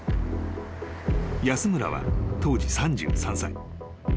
［安村は当時３３歳］